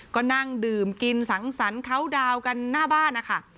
ก็นั่งดื่มกินสังสรรค์เขาดาวกันหน้าบ้านนะคะ